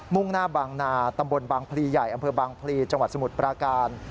่งหน้าบางนาตำบลบางพลีใหญ่อำเภอบางพลีจังหวัดสมุทรปราการ